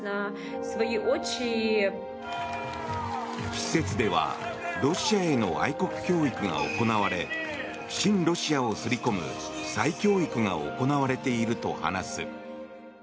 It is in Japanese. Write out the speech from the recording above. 施設ではロシアへの愛国教育が行われ親ロシアを刷り込む再教育が行われていると話す。